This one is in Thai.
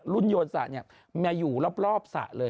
รุ่นโยรษะนี่อยู่รอบศะเลย